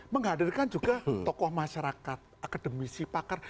menghadirkan juga tokoh masyarakat akademisi pakar